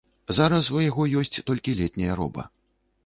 Зараз у яго ёсць толькі летняя роба.